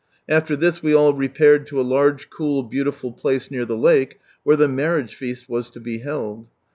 After this, we all repaired to a large cool beautiful place near the lake, where the marriage feast was to be held.